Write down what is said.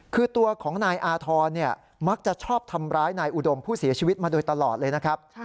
คือตัวของนายอาธรณ์มักจะชอบทำร้ายนายอุดมผู้เสียชีวิตมาโดยตลอดเลยนะครับ